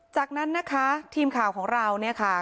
จากนั้นนะคะทีมข่าวของเราเนี่ยค่ะ